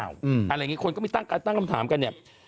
อะไรอย่างนี้คนก็มีตั้งคำถามกันเนี่ย